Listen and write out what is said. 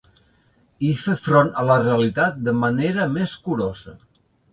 I fer front a la realitat de manera més curosa.